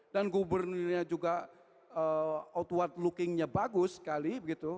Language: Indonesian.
dan gubernurnya juga outward looking nya bagus sekali